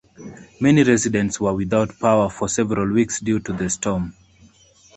Many residents were without power for several weeks due to the storm.